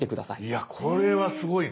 いやこれはすごいな！